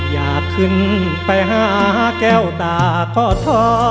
อยากขึ้นไปหาแก้วตาก็ท้อ